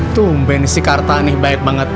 tumben si kartani baik banget